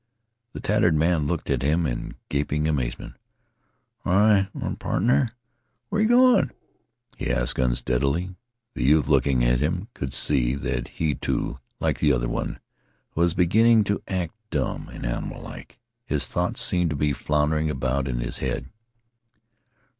The tattered man looked at him in gaping amazement. "Why why, pardner, where yeh goin'?" he asked unsteadily. The youth looking at him, could see that he, too, like that other one, was beginning to act dumb and animal like. His thoughts seemed to be floundering about in his head.